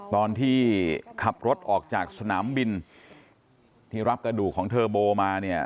ตอนที่ขับรถออกจากสนามบินที่รับกระดูกของเทอร์โบมาเนี่ย